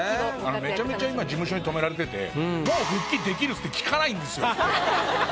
めちゃめちゃ今事務所に止められてて「もう復帰できる！」って聞かないんですよ。